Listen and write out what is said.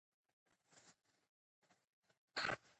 زه د ورځې پلان د وخت د تنظیم لپاره جوړوم.